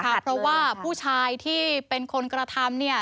เพราะว่าผู้ชายที่เป็นคนกระทำเนี่ย